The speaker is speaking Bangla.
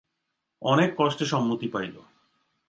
অনেক কষ্টে সম্মতি পাইল।